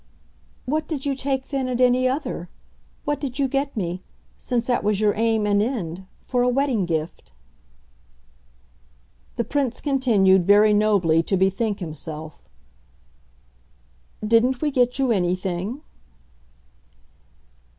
"What did you take then at any other? What did you get me since that was your aim and end for a wedding gift?" The Prince continued very nobly to bethink himself. "Didn't we get you anything?"